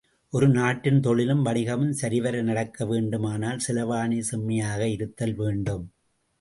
ஒரு நாட்டின் தொழிலும் வாணிகமும் சரிவர நடக்க வேண்டுமானால், செலாவணி செம்மையாக இருத்தல் வேண்டும்.